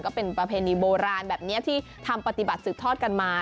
ประเพณีโบราณแบบนี้ที่ทำปฏิบัติสืบทอดกันมา